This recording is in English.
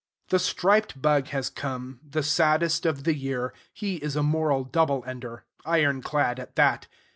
The striped bug has come, the saddest of the year. He is a moral double ender, iron clad at that.